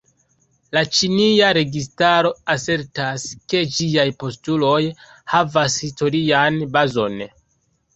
La ĉinia registaro asertas, ke ĝiaj postuloj havas historian bazon.